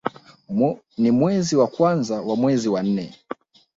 Ni mwezi wa kwanza na mwezi wa nne